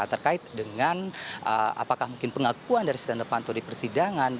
terkait dengan apakah mungkin pengakuan dari setenovanto di persidangan